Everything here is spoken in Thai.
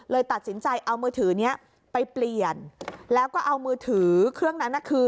ตัดสินใจเอามือถือนี้ไปเปลี่ยนแล้วก็เอามือถือเครื่องนั้นน่ะคือ